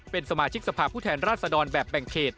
เป็นสมาชิกสภาพผู้แทนราชดรแบบแบ่งเขต